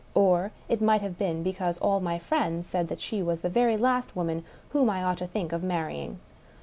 Or it might have been because all my friends said she was the very last woman whom I ought to think of marrying.